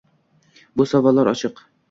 Bu savollar ochiq.